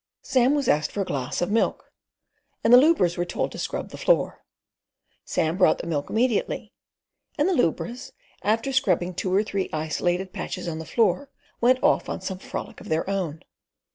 Sam was asked for a glass of milk, and the lubras were told to scrub the floor. Sam brought the milk immediately, and the lubras, after scrubbing two or three isolated patches on the floor, went off on some frolic of their own.